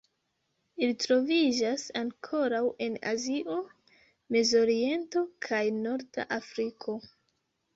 Ili troviĝas ankoraŭ en Azio, Mezoriento kaj Norda Afriko.